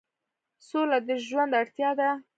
سوله د ژوند اړتیا ده